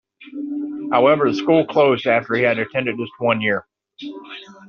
However the school closed after he had attended just one year.